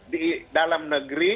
di dalam negeri